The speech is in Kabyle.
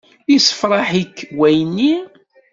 Yessefṛaḥ-ik wayenni?